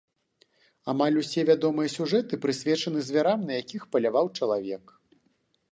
Амаль усе вядомыя сюжэты прысвечаны звярам, на якіх паляваў чалавек.